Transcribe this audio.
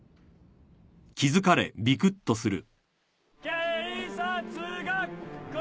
警察学校！